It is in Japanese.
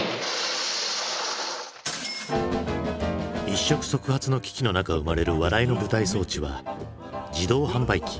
一触即発の危機の中生まれる笑いの舞台装置は自動販売機。